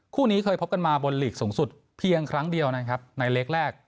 คู่นี้เคยพบกันมาบนหลีกสูงสุดเพียงครั้งเดียวนะครับในเล็กแรก